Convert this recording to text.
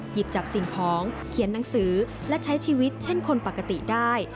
หยิบจับสิ่งของเขียนหนังสือและใช้ชีวิตเช่นคนปกติได้